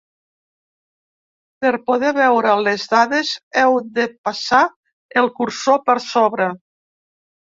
Per poder veure les dades heu de passar el cursor per sobre.